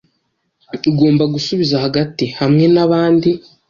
ugomba gusubiza hagati hamwe nabandi